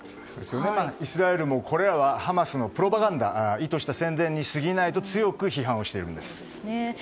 イスラエルもこれらはハマスのプロパガンダで意図した宣伝にすぎないと強く批判しているんです。